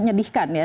yang menyedihkan ya